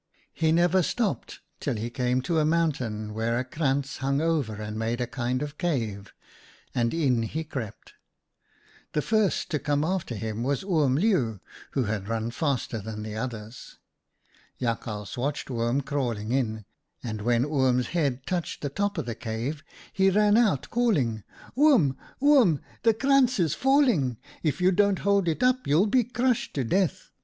"He never stopped till he came to a moun tain where a krantz hung over and made a kind of cave, and in he crept. The first to come after him was Oom Leeuw, who had run faster than the others. Jakhals watched Oom crawling in, and when Oom s head touched the top of the cave, he ran out, calling : 11 ' Oom, Oom, the krantz is falling. If you don't hold it up, you'll be crushed to death.